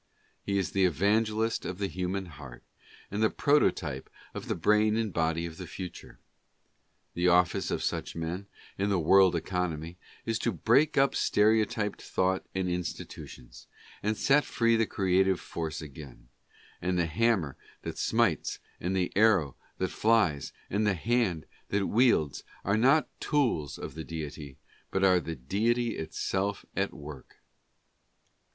He is the evangelist of the human heart, and the prototype of the brain and body of the future. The office of such men, in the world economy, is to break up stereotyped thought and institutions, and set free the creative force again ; and the hammer that smites, and the arrow that flies, and the hand that wields, are not tools of the deity, but are deity itself at work.